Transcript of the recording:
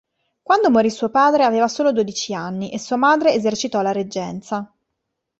Quando morì suo padre aveva solo dodici anni e sua madre esercitò la reggenza.